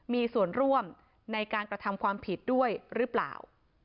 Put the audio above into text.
มีส่วนร่วมในการกระทำความผิดด้วยหรือเปล่า